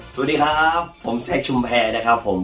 สวัสดีครับผมแซคชุมแพรนะครับผม